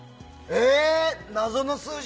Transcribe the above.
謎の数字！